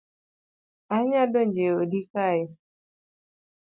Anya donjo e odi kae